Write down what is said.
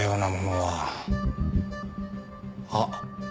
あっ。